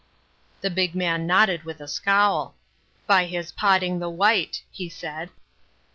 The big man nodded with a scowl. "By his potting the white," he said.